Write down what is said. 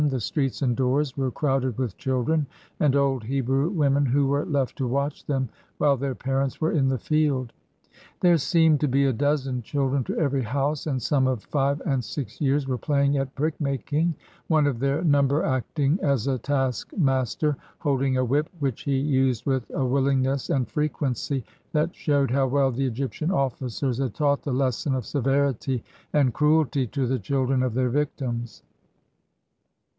The streets and doors were crowded with children, and old Hebrew women who were left to watch them while their parents were in the field. There seemed to be a dozen children to every house, and some of five and six years were playing at brick making, one of their number acting as a taskmaster, holding a whip which he used with a willingness and frequency that showed how well the Egyptian ofl&cers had taught the lesson of severity and cruelty to the children of their victims.